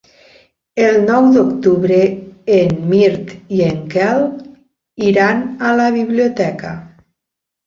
El nou d'octubre en Mirt i en Quel iran a la biblioteca.